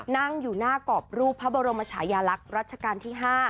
นั่งอยู่หน้ากรอบรูปพระบรมชายาลักษณ์รัชกาลที่๕